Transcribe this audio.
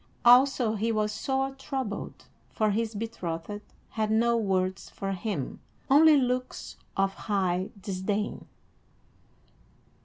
Also he was sore troubled, for his betrothed had no words for him, only looks of high disdain.